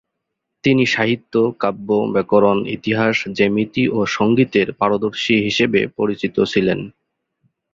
তিনি সাহিত্য, কাব্য, ব্যাকরণ, ইতিহাস, জ্যামিতি ও সঙ্গীতের পারদর্শী হিসেবে পরিচিত ছিলেন।